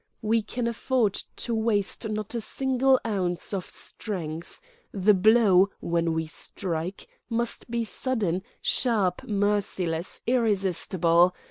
We can afford to waste not a single ounce of strength: the blow, when we strike, must be sudden, sharp, merciless—irresistible.